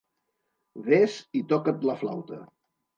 Ves i toca't la flauta!